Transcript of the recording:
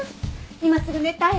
今すぐ寝たいわ！